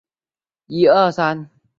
大区首府所在地为埃尔穆波利。